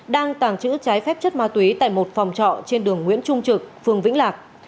đang tàng trữ trái phép chất ma túy tại một phòng trọ trên đường nguyễn trung trực phường vĩnh lạc